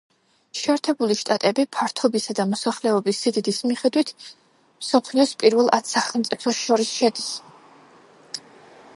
შეერთებული შტატები ფართობისა და მოსახლეობის სიდიდის მიხედვით მსოფლიოს პირველ ათ სახელმწიფოს შორის შედის.